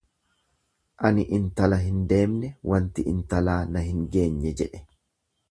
Ani intala hin deemne waanti intalaa na hin geenye jedhe.